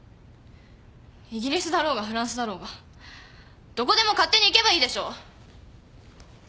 イギリスだろうがフランスだろうがどこでも勝手に行けばいいでしょ。